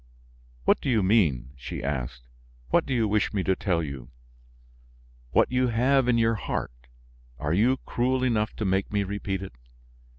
"What do you mean?" she asked. "What do you wish me to tell you?" "What you have in your heart. Are you cruel enough to make me repeat it?"